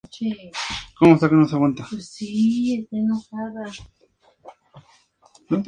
Ella es, asimismo, la madrina del hijo de la modelo Jourdan Dunn.